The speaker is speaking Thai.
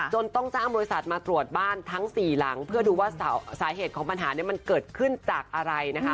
ต้องจ้างบริษัทมาตรวจบ้านทั้ง๔หลังเพื่อดูว่าสาเหตุของปัญหานี้มันเกิดขึ้นจากอะไรนะคะ